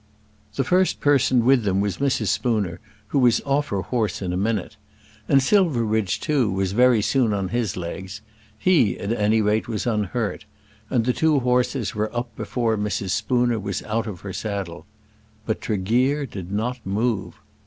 The first person with them was Mrs. Spooner, who was off her horse in a minute. And Silverbridge too was very soon on his legs. He at any rate was unhurt, and the two horses were up before Mrs. Spooner was out of her saddle. But Tregear did not move.